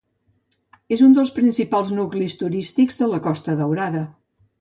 És un dels principals nuclis turístics de la Costa Daurada.